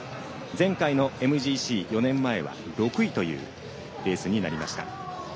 前回のＭＧＣ、４年前は６位というレースになりました。